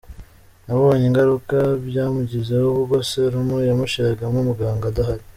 Nabonye ingaruka byamugizeho ubwo serumu yamushiragamo muganga adahari .